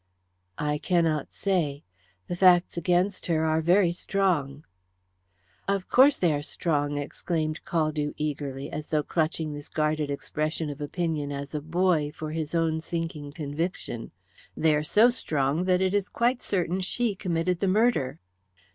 "I cannot say. The facts against her are very strong." "Of course they are strong!" exclaimed Caldew eagerly, as though clutching this guarded expression of opinion as a buoy for his own sinking conviction. "They are so strong that it is quite certain she committed the murder."